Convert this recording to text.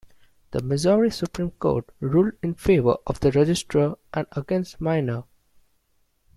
The Missouri Supreme Court ruled in favor of the registrar and against Minor.